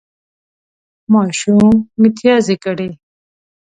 ماشوم متیازې کړې